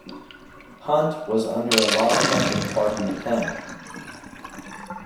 Hunt was under a lot of pressure to pardon the ten.